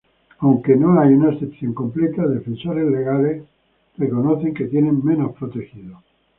Aunque no hay una excepción completa, defensores legales que reconocer que tiene "menos protegidos".